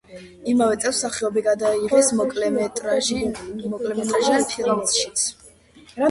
იმავე წელს მსახიობი გადაიღეს მოკლემეტრაჟიან ფილმშიც.